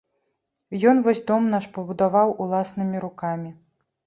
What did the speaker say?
Ён вось дом наш пабудаваў уласнымі рукамі.